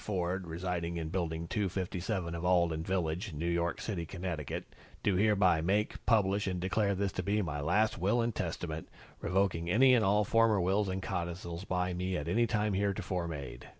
Ford, residing in Building 257 of Alden Village, New York City, Connecticut, do hereby make, publish and declare this to be my last Will and Testament, revoking any and all former wills and codicils by me at any time heretofore made."